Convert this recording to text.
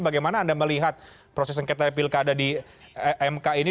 bagaimana anda melihat proses sengketa pilkada di mk ini